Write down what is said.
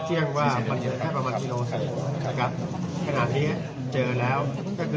สีภาพมันเจอแค่ประมาณ๑โลกเซ็นต์